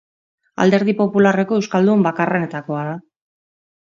Alderdi Popularreko euskaldun bakarrenetakoa da.